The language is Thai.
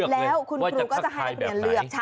แล้วคุณครูก็จะให้นักเรียนเลือก